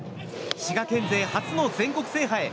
滋賀県勢初の全国制覇へ。